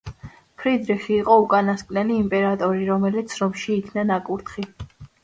ფრიდრიხი იყო უკანასკნელი იმპერატორი, რომელიც რომში იქნა ნაკურთხი.